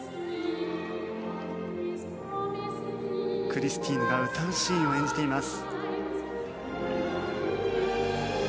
クリスティーヌが歌うシーンを演じています。